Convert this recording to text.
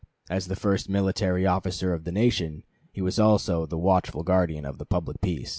As the first military officer of the nation, he was also the watchful guardian of the public peace.